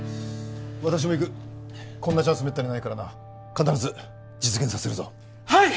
私も行くこんなチャンスめったにないからな必ず実現させるぞはい！